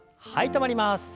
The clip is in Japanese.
止まります。